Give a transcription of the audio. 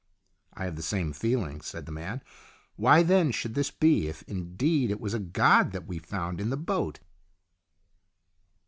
" I have the same feeling," said the man. " Why then should this be if indeed it was a god that we found in the boat